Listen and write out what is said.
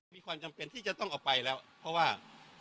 มีความจำเป็นที่จะต้องเอาไปแล้วเพราะว่า